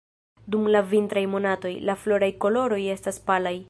Dum la vintraj monatoj, la floraj koloroj estas palaj.